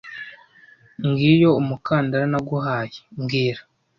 Ngiyo umukandara naguhaye mbwira